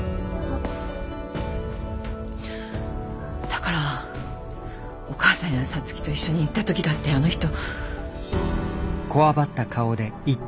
だからお母さんや皐月と一緒にいた時だってあの人。